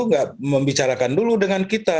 dia bilang tidak membicarakan dulu dengan kita